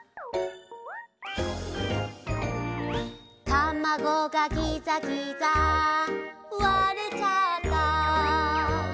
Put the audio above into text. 「たまごがギザギザ割れちゃった」